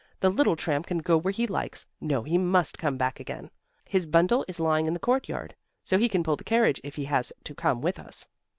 The little tramp can go where he likes. No, he must come back again; his bundle is lying in the courtyard. So he can pull the carriage if he has to come with us."